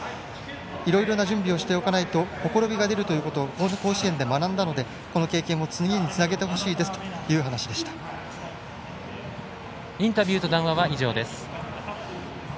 いろいろな準備をしないとほころびが出ることを甲子園で学んだので、この経験を次につなげてほしいですインタビューと談話は以上です。